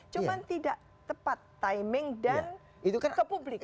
cuma tidak tepat timing dan ke publik